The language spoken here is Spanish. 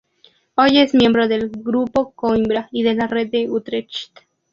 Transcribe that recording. Hoy es miembro del Grupo Coimbra y de la Red de Utrecht.